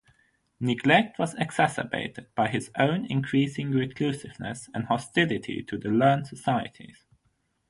Neglect was exacerbated by his own increasing reclusiveness and hostility to the learned societies.